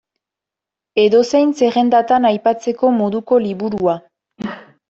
Edozein zerrendatan aipatzeko moduko liburua.